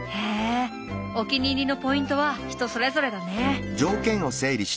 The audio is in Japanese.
お気に入りのポイントは人それぞれだね。